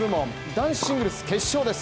男子シングルス決勝です。